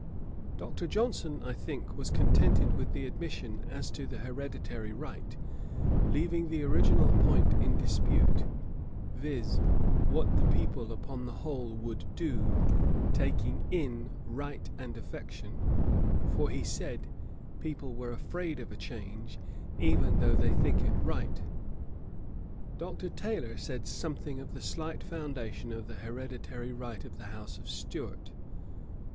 Dr. Johnson, I think, was contented with the admission as to the hereditary right, leaving the original point in dispute, viz. what the people upon the whole would do, taking in right and affection; for he said, people were afraid of a change, even though they think it right. Dr. Taylor said something of the slight foundation of the hereditary right, of the house of Stuart.